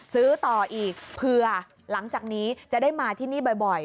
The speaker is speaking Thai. ซื้อต่ออีกเผื่อหลังจากนี้จะได้มาที่นี่บ่อย